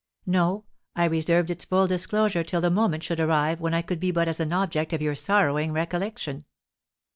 No, I reserved its full disclosure till the moment should arrive when I could be but as an object of your sorrowing recollection.